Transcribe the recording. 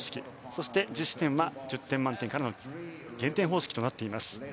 そして、実施点は１０点満点からの減点方式となっています。